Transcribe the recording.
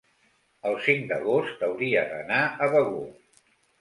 el cinc d'agost hauria d'anar a Begur.